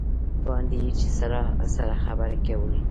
باندې یې چا سره خبرې کولې.